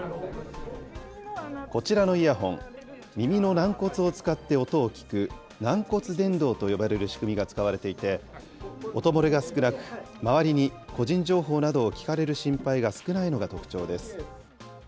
軟骨を使って音を聞く、軟骨伝導と呼ばれる仕組みが使われていて、音漏れが少なく、周りに個人情報などを聞かれる心配が少ないのが特徴です。